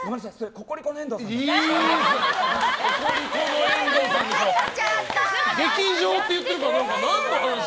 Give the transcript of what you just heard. ココリコの遠藤さんでした。